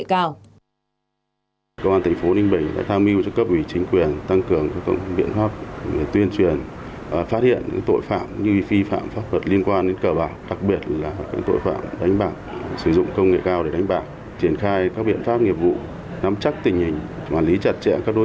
công nghệ cao